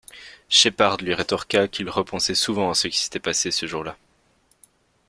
Sheppard lui rétorqua qu'il repensait souvent à ce qui s'était passé ce jour-là.